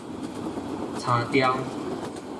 柴雕